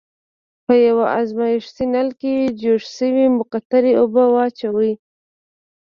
په یوه ازمیښتي نل کې جوش شوې مقطرې اوبه واچوئ.